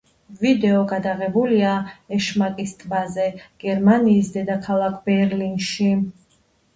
ვიდეო გადაღებულია ეშმაკის ტბაზე, გერმანიის დედაქალაქ ბერლინში.